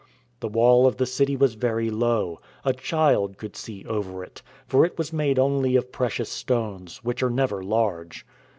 The wall of the city was very low, a child could see over it, for it was made only of precious stones, which are never large.